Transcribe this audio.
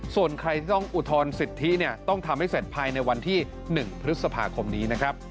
ส่วนใครที่ต้องอุทธรณ์สิทธิเนี่ยต้องทำให้เสร็จภายในวันที่๑พฤษภาคมนี้นะครับ